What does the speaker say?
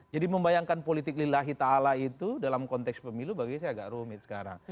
jadi membayangkan politik lillahi ta'ala itu dalam konteks pemilu bagi saya agak rumit sekarang